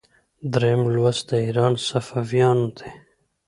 دریم لوست د ایران صفویان دي.